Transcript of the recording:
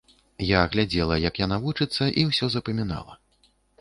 Я глядзела, як яна вучыцца, і ўсё запамінала.